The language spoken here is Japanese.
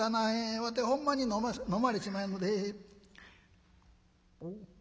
わてほんまに飲まれしまへんので」。